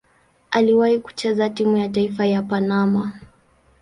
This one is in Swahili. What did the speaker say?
Aliwahi kucheza timu ya taifa ya Panama.